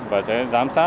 và sẽ giám sát